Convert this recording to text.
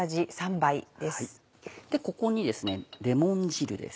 ここにレモン汁です。